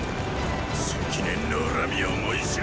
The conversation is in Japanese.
積年の恨み思い知れ！